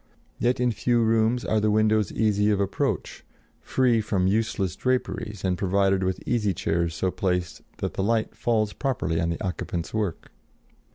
Yet in few rooms are the windows easy of approach, free from useless draperies and provided with easy chairs so placed that the light falls properly on the occupant's work.